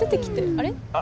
あれ？